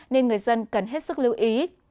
nên người dân cần hết sức lưu ý